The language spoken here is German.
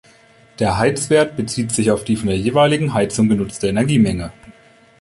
Der Heizwert bezieht sich auf die von der jeweiligen Heizung genutzte Energiemenge.